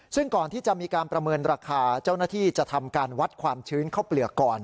ซึ่งก่อนที่จะมีการประเมินราคาเจ้าหน้าที่จะทำการวัดความชื้นเข้าเปลือกก่อน